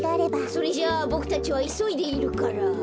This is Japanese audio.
それじゃボクたちはいそいでいるから。